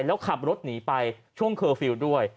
แล้วขับรถหนีไปช่วงเคอร์ฟิลล์ด้วย